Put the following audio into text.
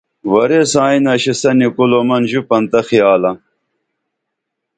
ورے سائیں نشِسنی کُل او من ژوپن تہ خیالہ